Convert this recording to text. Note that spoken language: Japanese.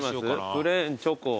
プレーンチョコ。